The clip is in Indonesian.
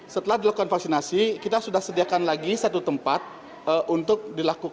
setelah dilakukan vaksinasi kita sudah sediakan lagi satu tempat untuk dilakukan